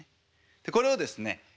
でこれをですね